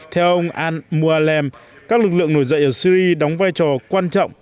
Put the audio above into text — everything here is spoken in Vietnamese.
theo ông al mualem các lực lượng nổi dậy ở syri đóng vai trò quan trọng